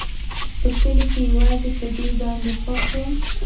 په کلي کښې يوازې په دې باندې خوښ وم.